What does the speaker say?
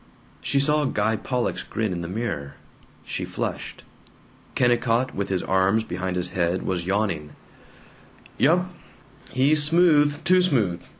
She saw Guy Pollock's grin in the mirror. She flushed. Kennicott, with his arms behind his head, was yawning: "Yump. He's smooth, too smooth.